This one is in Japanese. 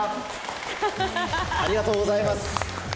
ありがとうございます。